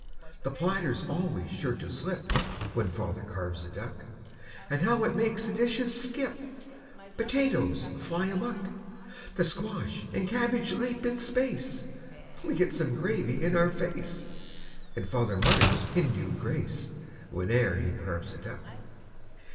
The platter's always sure to slip When Father carves a duck. And how it makes the dishes skip! Potatoes fly amuck! The squash and cabbage leap in space We get some gravy in our face And Father mutters Hindu grace Whene'er he carves a duck.